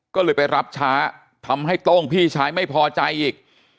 ก็เลยไปรับช้าทำให้โต้งพี่ชายไม่พอใจอีก